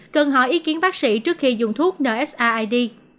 cần hỏi ý kiến bác sĩ trước khi dùng thuốc nsaid